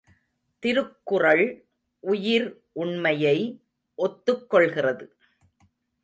திருக்குறள் உயிர் உண்மையை ஒத்துக் கொள்கிறது.